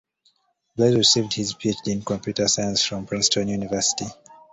Blaze received his PhD in Computer Science from Princeton University.